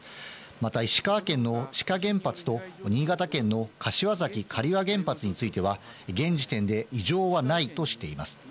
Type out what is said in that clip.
また石川県の志賀原発と新潟県の柏崎刈羽原発については、現時点で異常はないとしています。